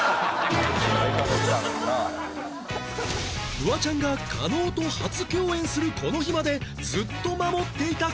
フワちゃんが加納と初共演するこの日までずっと守っていた事とは？